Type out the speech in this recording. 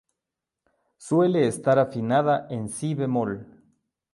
Suele estar afinada en Si bemol.